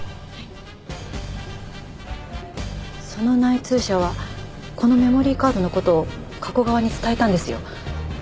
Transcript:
その内通者はこのメモリーカードの事を加古川に伝えたんですよ。